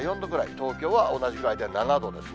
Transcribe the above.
東京は同じぐらいで７度ですね。